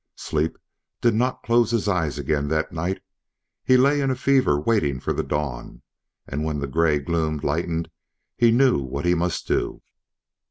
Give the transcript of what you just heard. Sleep did not close his eyes again that night; he lay in a fever waiting for the dawn, and when the gray gloom lightened he knew what he must do.